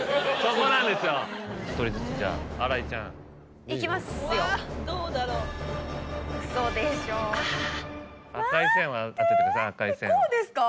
こうですか？